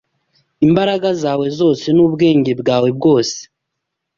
imbaraga zawe zose, n’ubwenge bwawe bwose